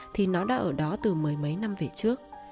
thì nó đã ở đó từ mười mấy năm về trước